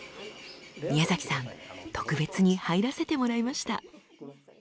宮崎さん特別に入らせてもらいました。